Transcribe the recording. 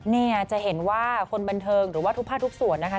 เนี่ยจะเห็นว่าคนบันเทิงหรือว่าทุกภาคทุกส่วนนะคะ